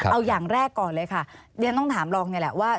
เอาอย่างแรกก่อนเลยค่ะ